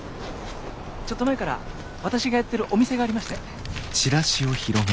ちょっと前から私がやってるお店がありまして。